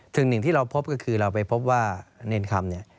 สิ่งหนึ่งที่เราพบก็คือเราไปพบว่าเนรคำเนี่ย